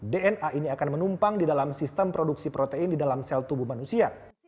dna ini akan menumpang di dalam sistem produksi protein di dalam sel tubuh manusia